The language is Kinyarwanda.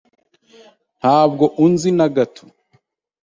Ntabwo unzi na gato.